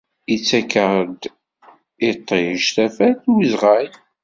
Yettak-aɣ-d yiṭij tafat d uzɣal.